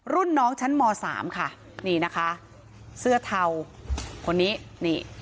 รุ่นน้องชั้นม๓ค่ะนี่นะคะเสื้อเทาคนนี้นี่